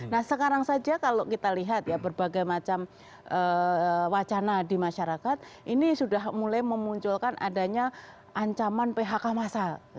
nah sekarang saja kalau kita lihat ya berbagai macam wacana di masyarakat ini sudah mulai memunculkan adanya ancaman phk masal